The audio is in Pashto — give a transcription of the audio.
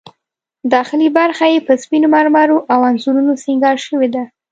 داخلي برخه یې په سپینو مرمرو او انځورونو سینګار شوې ده.